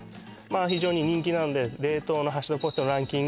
非常に人気なんで冷凍のハッシュドポテトのランキング